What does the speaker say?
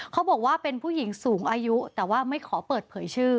เขาบอกว่าเป็นผู้หญิงสูงอายุแต่ว่าไม่ขอเปิดเผยชื่อ